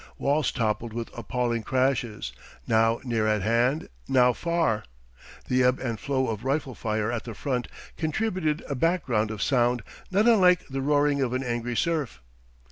Walls toppled with appalling crashes, now near at hand, now far. The ebb and flow of rifle fire at the front contributed a background of sound not unlike the roaring of an angry surf.